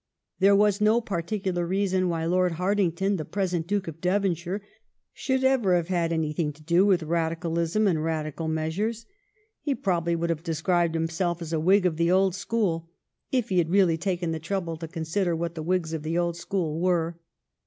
There was no particular reason why Lord Hartington, the present Duke of Devonshire, should ever have had anything to do with Radical ism and Radical measures. He probably would HOME RULE 375 have described himself as a Whig of the old school, if he had really taken the trouble to consider what the Whigs of the old school were.